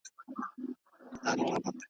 او لس کاله يې په تبعيد او کډوالۍ کې تېر کړل.